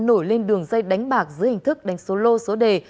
nổi lên đường dây đánh bạc dưới hình thức đánh số lô số đề